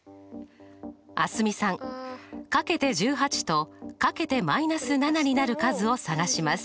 蒼澄さん掛けて１８と掛けて−７になる数を探します。